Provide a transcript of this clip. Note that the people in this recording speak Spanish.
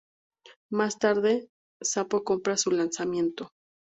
Más tarde, Sapo compra su lanzamiento.